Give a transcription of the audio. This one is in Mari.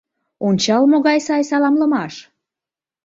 — Ончал, могай сай саламлымаш!